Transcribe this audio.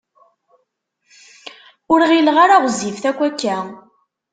Ur ɣileɣ ara ɣezzifet akk akka.